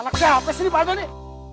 anak siapa sih ini bardo nih